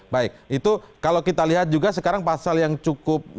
baik itu kalau kita lihat juga sekarang pasal yang cukup